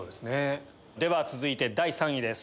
では続いて第３位です。